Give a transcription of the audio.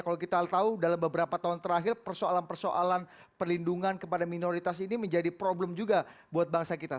kalau kita tahu dalam beberapa tahun terakhir persoalan persoalan perlindungan kepada minoritas ini menjadi problem juga buat bangsa kita